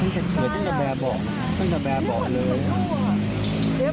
ตอนฉันอยู่กับน้องเรียนน้องน้องเขาบอกนะครับ